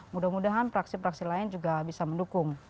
mudah mudahan fraksi fraksi lain juga bisa mendukung